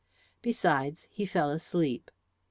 Besides he fell asleep.